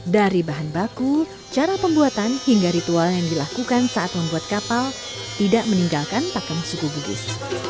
dari bahan baku cara pembuatan hingga ritual yang dilakukan saat membuat kapal tidak meninggalkan pakem suku bugis